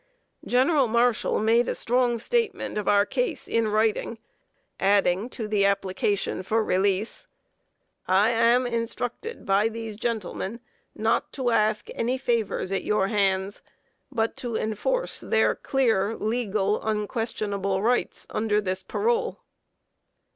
General Marshall made a strong statement of our case in writing, adding to the application for release: "I am instructed by these gentlemen not to ask any favors at your hands, but to enforce their clear, legal, unquestionable rights under this parole."